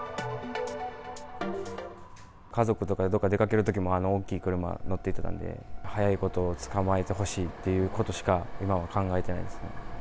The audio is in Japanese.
家族とか、どっかに出かけるときもあの大きい車に乗ってたんで、早いこと捕まえてほしいっていうことしか、今は考えてないですね。